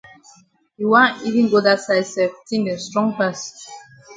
You go wan even go dat side sef tin dem strong pass.